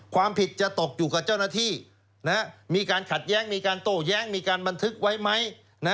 ความผิดจะตกอยู่กับเจ้าหน้าที่มีการขัดแย้งมีการโต้แย้งมีการบันทึกไว้ไหม